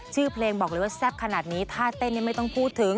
ชื่อเพลงบอกเลยว่าแซ่บขนาดนี้ท่าเต้นไม่ต้องพูดถึง